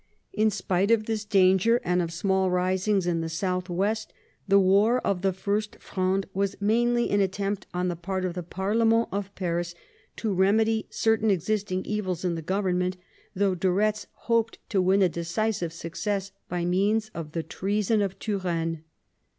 In spite of this danger, and of small risings in the south west, the war of the First Fronde was mainly an attempt on the part of the parlemerU of Paris to remedy certain existing evils in the government, though de Ketz hoped to win a decisive success by means of the treason of Turenne.